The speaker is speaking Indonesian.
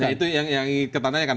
itu yang kita tanyakan